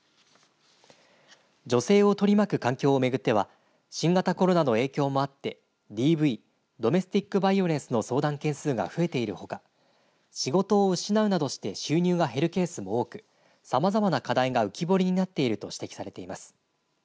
女性を取り巻く環境を巡っては新型コロナの影響もあってＤＶドメスティック・バイオレンスの相談件数が増えているほか仕事を失うなどして収入が減るケースも多くさまざまな課題が浮き彫りになっていると指摘されています。